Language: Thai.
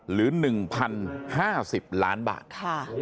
หรือ๑๐๕๐ล้านบาท